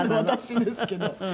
私ですけど。